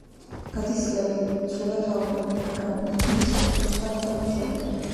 გადის წლები, იცვლება თაობები, მაგრამ იგი ისევ ცოცხალი და უცვლელია.